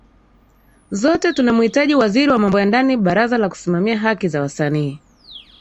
zote tunamuhitaji waziri wa mambo ya ndani baraza la kusimamia haki za wasanii